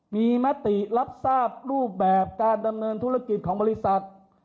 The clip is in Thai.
มีมติรับทราบรูปแบบการดำเนินธุรกิจของบริษัท